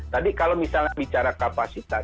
tadi kalau misalnya bicara kapasitas